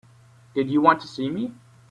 Did you want to see me?